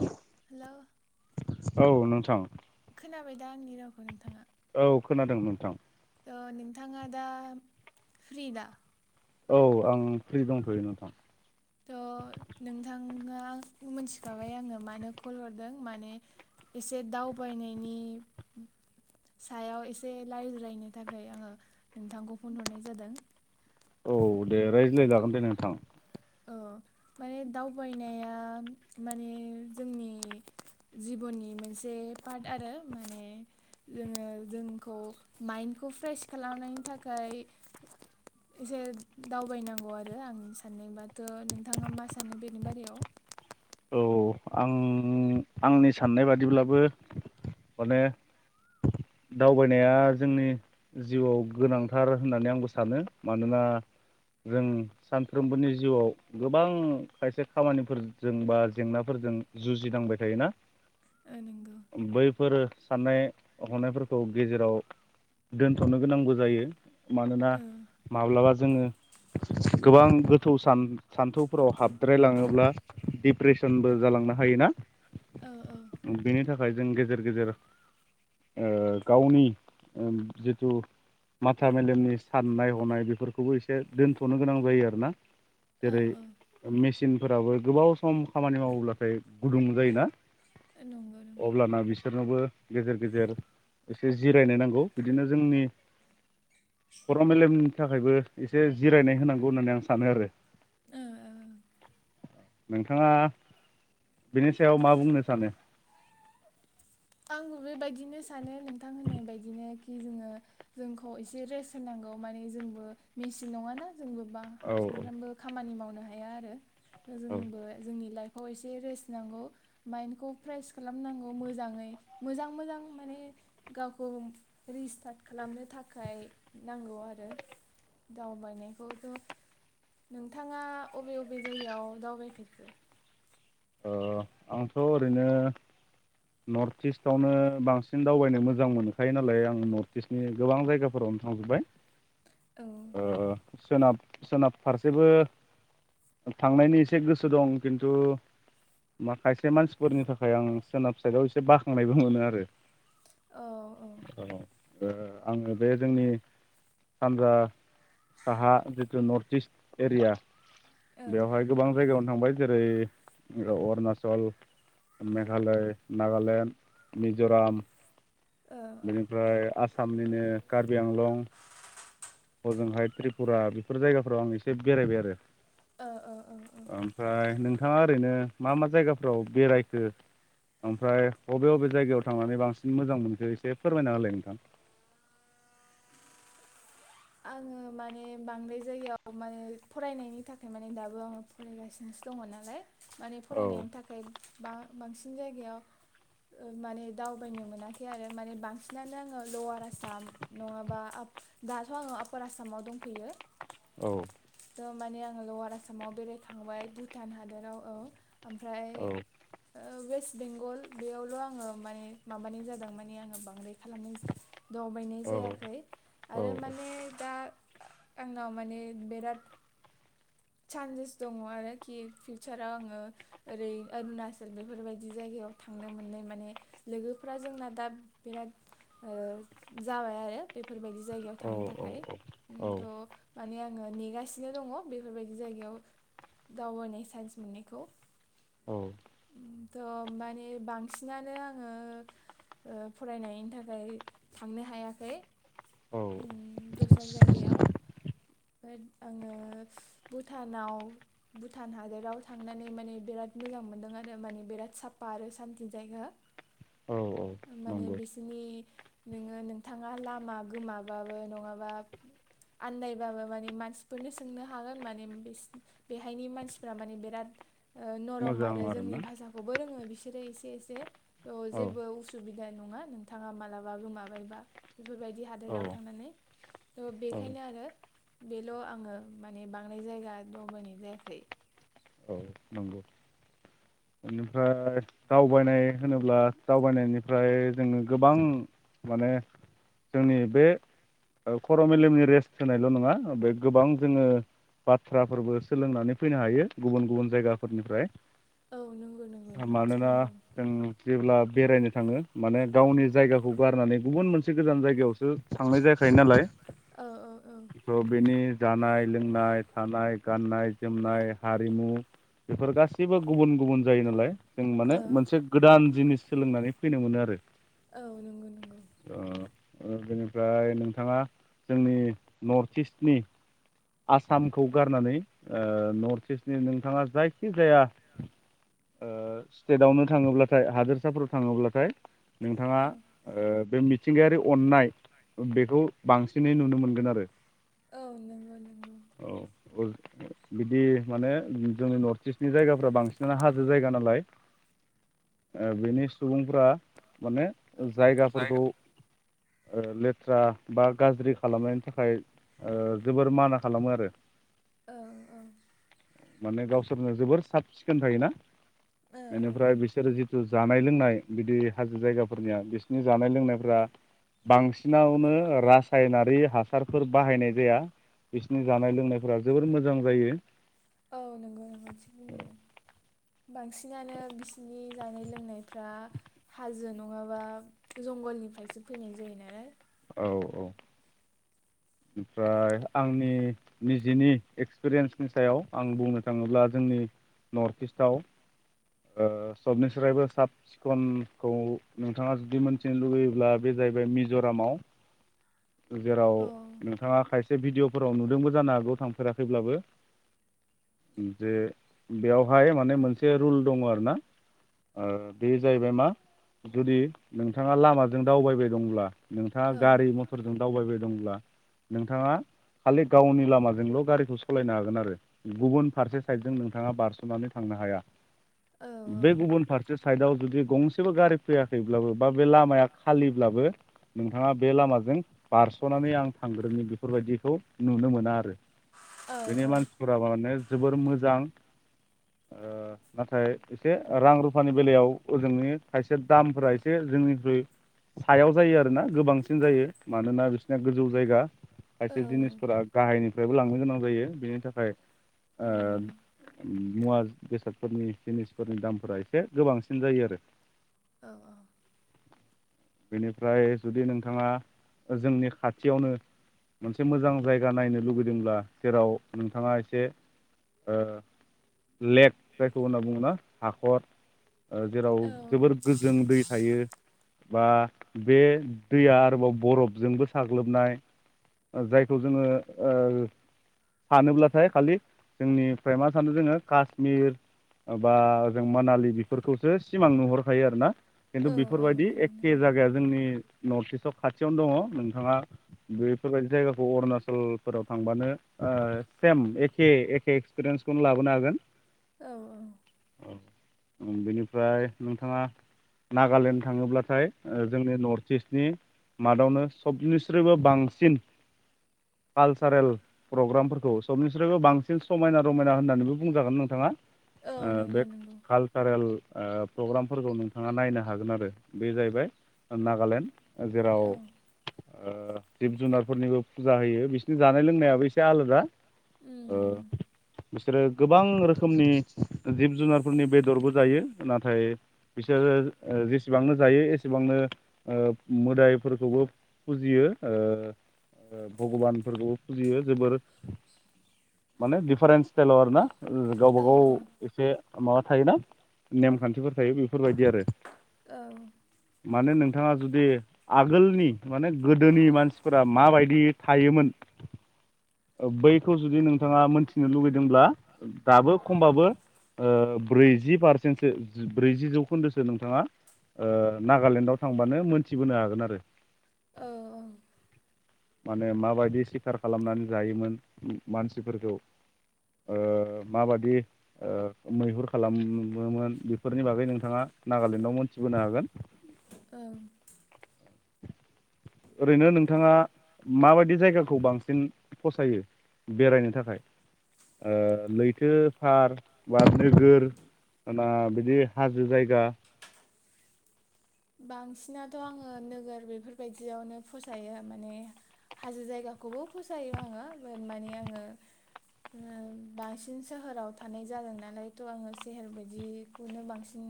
औ मेल औ नोंथां खोनाबाय दा आंनि रावखौ नोंथाङा औ खोनादों नोंथां नोंथाङा दा फ्रि दा औ आं फ्रि दंथ'यो नोंथां त' नोंथाङा मोनथिखाबाय आङो मानो कल हरदों माने एसे दावबायनायनि सायाव एसे रायज्रायनो थाखाय आङो नोंथांखौ फन हरनाय जादों औ दे रायज्लायजागोन दे नोंथां औ माने दावबायनाया माने जोंनि जिबननि मोनसे पार्ट आरो माने जोङो जोंखौ माइन्डखौ फ्रेस खालामनायनि थाखाय एसे दावबायनांगौ आरो आंनि साननाय बा त नोंथाङा मा सानो बेनि बारायाव औ आं आंनि साननाय बादिब्लाबो माने दावबायनाया जोंनि जिउआव गोनांथार होननानै आंबो सानो मानोना जों सानफ्रोमबोनि जिउआव गोबां खायसे खामानिफोर। जों बा जेंनाफोरजों जुजिनांबाय थायोना ओ नंगौ बैफोरो साननाय हनायफोरखौ गेजेराव दोनथ'नो गोनांबो जायो मानोना ओ माब्लाबा जोङो गोबां गोथौ सान्थौफोराव हाबद्रायलाङोब्ला दिडप्रेसनबो जालांनो हायोना औ बेनि थाखाय थाखाय जों गेजेर गेजेर गावनि जिथु माथा मेलेमनि साननाय हनाय बेफोरखौबो एसे दोनथ'नो गोनां जायो आरोना औ जेरै औ मेसिनफोराबो गोबाव सम खामानि मावोब्लाथाय गुदुं जायोना। नंगौ नंगौ अब्लाना बिसोरनोबो गेजेर गेजेर एसे जिरायनाय नांगौ बिदिनो जोंनि खर' मेलेमनि थाखायबो एसे जिरायनाय होनांगौ होननानै आं सानो आरो। ओ ओ नोंथाङा बेनि सायाव मा बुंनो सानो आंबो बेबायदिनो सानो नोंथां होननाय बायदिनो। कि जोङो जोंखौ एसे रेस्ट होनांगौ माने जोंबो मेसिन नङा ना जोंबो बा औ सामफ्रामबो खामानि मावनो ब हाया आरो औ जोंबो जोंनि लाइफ। अ एसे रेस्ट नांगौ माइन्डखौ फ्रेस खालामनांगौ मोजाङै मोजां मोजां माने गावखौ रिस्टार्ट खालामनो थाखाय नांगौ आरो दावबायनायखौथ' नोंथाङा अबे अबे जायगायाव दावबायफेरखो आंथ ओरैनो नर्थ इस्टआवनो बांसिन दावबायनो मोजां मोनखायो नालाय आं नर्थ इस्टनि गोबां जायगाफोरावनो थांजोब्बाय औ ओ सोनाब सोनाब फारसेबो थांनायनि एसे गोसो दं खिन्थु माखायसे मानसिफोरनि थाखाय आं सोनाब साइदआव एसे बाखांनायबो मोनो आरो औ औ औ ओ आङो बे जोंनि सानजा साहा जिथु नर्थ इस्ट एरिया। औ बेवहाय गोबां जायगायाव थांबाय जेरै अरुनाचल मेघालय नागालेण्ड मिज'राम औ बेनिफ्राय आसामनिनो कार्बि आंलं हजोंहाय त्रिपुरा बेफोर जायगाफोराव आं एसे बेरायबाय आरो ओ ओ ओ ओमफ्राय नोंथाङा ओरैनो मा मा जायगाफ्राव बेरायखो ओमफ्राय बबे बबे जायगायाव थांनानै बांसिन मोजां मोनखो एसे फोरमायना होलाय नोंथां आङो माने बांद्राय जायगायाव माने फरायनायनि थाखाय माने दाबो आङो फरायगासिनोसो दङ नालाय माने औ फरायनायनि थाखाय बा बांसिन जायगायाव माने दावबायनो मोनाखै आरो माने बांसिनानो आङो लवार आसाम नङाबा आप त आङो आपार आसामाव दंफैयो औ त माने आं लवार आसामाव बेरायखांबाय भुटान हादराव औ ओमफ्राय। औ वेस्ट बेंगल बेयावल आङो माने माबानाय जादों माने आङो बांद्राय खालामनाय दावबायनाय औ जायाखै औ आरो मान। दा आंनाव माने बिराद सान्सेस दङ आरोखि फिउचाराव आङो ओरै अरुणाचल बेफोरबायदि जायगायाव थांनो मोननाय माने लोगोफ्रा जोंना दा बिराद जाबाय आरो बे फोरबायदि जायगायाव थांनो थाखाय औ औ थ' माने आङो नेगासिनो दङ बे बेफोरबायदि जायगायाव दावगानाय साइन्स मोननायखौ औ थ' मानिे बांसिनानो आङो फरायनायनि थाखाय थांनो हायाखै औ दस्रा जायगायाव ओम आङो भुटानाव भुटान हादराव थांनानै माने बिराद मोजां मोनदों आरो माने बिराद साफा आरो सान्थि जायगा औ माने नंगौ बिसनि नोङो नोंथाङा लामा गोमाबाबो नङाबा आनन्दनायबाबो माने मानसिफोरनो सोंनो हागोन मान बेहायनि मानसिफ माने बिराद नरम मोजां आरो जोंनि आरोना भाषाखौबो रोङो बि बिसोरो एसे एसे औ जेबो उसुबिद [unintelligible] नङा नोंथाङा मालाबा गोमाबायबा बेफोरबायदि औ हाथायाव थांनानै थ' बेनिखायनो आरो बेल' आङो माने बां थांनाय जायगा दावबाइनाय जायाखै औ नंगौ बेनिफ्राय दावबायनाय होनोब्ला दावबायनायनिफ्राय जोङो गोबां माने जोंनि बे ओ खर' मेलेमनि रेस्ट होनायल' नङा बे गोबां जोङो बाथ्राफोरबो सोलोंनानै फैनो हायो गुबुन गुबुन जायगाफोरनिफ्राय। औ नंगौ नंगौ नंगौ थिग मानोना बुंदों जों जेब्ला बेरायनो थाङो माने गावनि जायगाखौ गारनानै गुबुन मोनसे गोजान जायगायावसो थांनाय जायाखायो नालाय। औ औ औ थ' बेनि जानाय लोंनाय थानाय गाननाय जोमनाय हारिमु बेफोर गाससिबो गुबुन गुबुन जायो नालाय। जों औ माने मोनसे गोदान जिनिस सोलोंनानै फैनो मोनो आरो। औ नंगौ नंगौ। ओ ओ बेनिफ्राय नोंथाङा जोंनि नर्थ इस्टनि आसामखौ गारनानै नर्थ इस्टनि नोंथाङा जायखिजाया स्टेटआवनो थाङोब्लाथाय हादोरसाफोराव थाङोब्लाथाय नोंथाङा औ बे मिथिंगायारि अननाय बेखौ बांसिनै नुनो मोनगोन आरो औ नंगौ नंगौ औ बिदि माने जोंनि नर्थ इस्टनि जायगाफ्रा बांसिनानो हाजो जायगा नालाय बेनि सुबुंफ्रा माने जायगाफोरखौ जायगा ओ लेथ्रा बा गाज्रि खालामनायनि थाखाय ओ जोबोर माना खालामो आरो औ ओ औ माने गावसोरनो जोबोर साब सिखोन थायोना। औ बेनिफ्राय बिसोरो जि जिथु जानाय लोंनाय बिदि हाजो जायगाफोरनिया बिसनि जानाय लोंनायफ्रा बांसिनावनो राज रासायनारि हासारफोर बाहायनाय जाया बिसिनि जानाय लोंनायफोरा जोबोर मोजां जायो। औ नंगौ नंगौ थिग बुंदों बांसिनानो बिसिनि जानाय लोंनायफ्रा हाजो नङाबा जंगलनिफ्रायसो फैनाय जायो नालाय औ औ ओमफ्राय आंनि निजिनि एक्सपिरियेन्सनि सायाव आं बुंनो थाङोब्ला जोंनि नर्थ इस्टआव सबनि स्रायबो साब सिखनखौ नोंथाङा जुदि मिथिनो लुुबैयोब्ला बे जाहैबाय मिज'रामाव जेराव औ नोंथाङा खायसे से भिडिअफोराव नुदोंबो जानो हागौ थांफेराखैब्लाबो जे बेयावहाय माने मोनसे रुल दङ आरोना बे जाहैबाय मा जुदि नोंथाङा लामाजों दावबायबाय दंब्ला दा औ गारि मथरजों दावबायबाय दंब्ला नोंथाङा खालि गावनि लामाजोंल' गारिखौ सालायनो हागोन आरो गुबुन फारसे साइडजों नोंथाङा बारस'नानै थांनो हाया औ बे गुबुन फारसे साइदआव जुदि गंसेबो गारि फैयाखैब्लाबो बा बे लामाया खालिब्लाबो नोंथाङा बे लामाजों बारस'नानै आं थांग्रोनि बेफोरबायदिखौ नुनो मोना आरो। औ बेनि मानसिफोरा माने जोबोर मोजां नाथाय एसे रां रुफानि बेलायाव ओजोंनि खायसे दामफोरा एसे जोंनिख्रुइ सायाव जायो आरोना गोबांसिन जायो मानोना बिसिनाया गोजौ जायगा औ खायसे जिनिसफोरा गाहायनिफ्रायबो लांनो गोनां जायो बिनि थाखाय उम मुवा बेसादफोरनि जिनिसफोरनि दामफोरा एसे गोबांसिन जायो आरो औ औ बेनिफ्राय जुदि नोंथाङा जोंनि खाथियावनो मोनसे मोजां जायगा नायनो लुबैदोंब्ला जेराव नोंथाङा एसे ओ लेक जायखौ होनना बुङोना हाखर जेराव औ जोबोर गोजों दै थायो बा बे दैया आरोबाव बरफजोंबो साग्लोबनाय जायखौ जोङो ओ सानोब्लाथाय खालि जोंनिफ्राय मा सानो जोङो कास्मिर बा जों मानालि बेफोरखौसो सिमां नुहरखायो आरोना। औ खिन्थु औ बेफोरबायदि नंगौ एखे नंगौ जायगाया जोंनि नर्थ इस्ट आआव खाथियावनो दङ नोंथाङा बेफोरबायदि जायगाखौ अरुणाचलफोराव थांबानो सेम एखे एखे एक्सपिरियेन्सखौनो लाबोनो हागोन औ औ ओं बेनिफ्राय नोंथाङा नागालेण्ड थाङोब्लाथाय ओ जोंनि नर्थ स नि मादावनो सब जिनिस बिनिख्रुइबो बांसिन कालसारेल प्रग्राम सबनिफ्राय्रबो बांसिन समायना रमायना होननानैबो बुंजागोन नोंथाङा औ आ नंगौ बे नंगौ कालचारेल आ प्रग्रामफोरखौ नोंथाङा नायनो हागोन आरो बे जाहैबाय नागालेण्ड जेराव औ ओ जिब जुनारफोरनिबो फुजा होयो बिसोरनि जानाय लोंनायाबो एसे आलादा ओ उम बु बिसोरो गोबां रोखोमनि जिब जुनारफोरनि बेदरबो जायो नाथाय बिसोरो जेसेबांनो जायो एसेबांनो ओ मोदाइफोरखौबो फुजियो ओ ओ गबानफोरखौबो फुजियो जोबोर माने दिफारेन्ट स्टाइलाव आरो ना गावबा औ गाव एसे माबा थायोना नेमखान्थिफोर थायो बेफोरबायदि आरो औ मानो नों नोंथाङा जुदि आगोलनि माने गोदोनि मानसिफोरा माबायदि थायोमोन बैखौ जुदि नों नोंथाङा मोनथिनो लुुबैदोंब्ला दाबो खमबाबो ब्रैजि पारसेन्टसो ब्रैजि जौखोन्दोसो नोंथाङा नागालेण्डआव मोनथिबोनो हागोन आरो औ औ माने माबायदि सिखार खालामनानै जायोमोन मानसिफोरखौ ओ माबायदि ओ मैहुर खालामोमोन बेफोरनि बागै नोंथाङा नागालेण्डआव मोनथिबोनो हागोन। ओं ओरैनो नोंथाङा माबायदि जायगाखौ बांसिन फसायो बेरायनो थाखाय ओ लैथो फार बा नोगोर ना बिदि हाजो जायगा? बांसिनाथ' आङो नोगोर बेफोरबायदियावनो फसायो माने हाजो जायगाखौबो फसायो आङो बाट माने आङो ओ बांसिन सोहोराव थानाय जादों नालायथ' आङो सेहोर बायदिखौनो बांसिन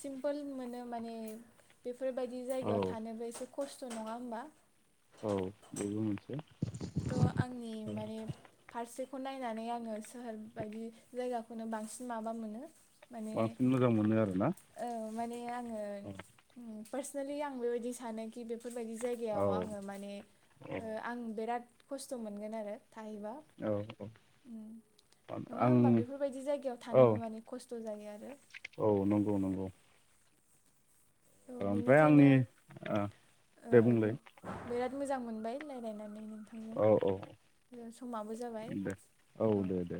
सिमपोल मोनो माने फोरबायदि औ जायगायाव थानोबो एसे ख खस्थ' नङा होमबा? औ बेबो मोनसे थ'आंनि माने फारसे बेखौ नायनानै आङो सोहोर बायदि जायगाखौनो बांसिन माबा मोनो। माने बांसिन मोजां मोनो आरोना ओ माने आङो औ उम पारसेनेलि आंबेबायदि सानो [unintelligible] बेफोरबायदि जायगायाव आङो औ माने ओ आं बेराद खस्थ' मोनगोन आरो थाहैबा औ उम नङा आं होमबा बेफोरबायदि जायगायाव औ थानोबो मानि खस्थ' जायो आरो औ नंगौ नंगौ औ ओमफ्राय बेनिखायनो आंनि ओ दे बुंलाय बिराद मोजां मोनबाय रायलायनानै नों औ औ नोंथांजों समाबो जाबाय दे औ दे दे